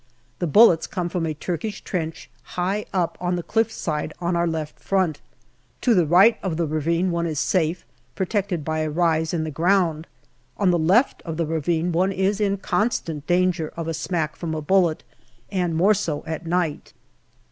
The bullets come from a Turkish trench high up on the cliff side on our left front. To the right of the ravine one is safe, pro tected by a rise in the ground. On the left of the ravine one is in constant danger of a smack from a bullet, and more so at night.